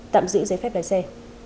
tạm giữ giấy phép lái xe